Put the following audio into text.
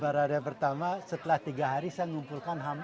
barada pertama setelah tiga hari saya ngumpulkan